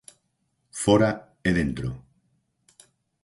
Fóra e dentro.